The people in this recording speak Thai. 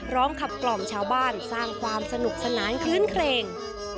ร้องขับกล่อมชาวบ้านสร้างความสนุกสนานคลื้นเครง